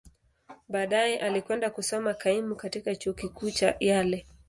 Baadaye, alikwenda kusoma kaimu katika Chuo Kikuu cha Yale.